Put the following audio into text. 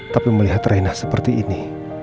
tapi melihat raina seperti ini